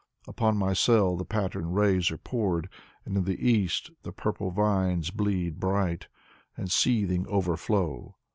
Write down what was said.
Upon my cell the patterned rays are poured. And in the East, the purple vines bleed bright, And seething, overflow.